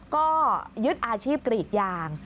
ก็ยึดอาชีพกรีดยาง